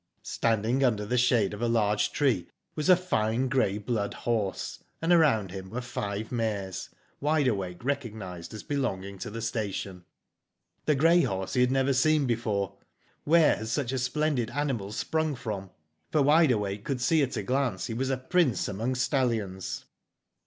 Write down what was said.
"Standing under the shade of a large tree was a fine grey blood horse, and around him, were five mares Wide Awake recognised as be longing to the station. " The grey horse he had never seen before. Where had such a splendid animal sprung from? For Wide Awake could see at a glance he was a prince among stallions.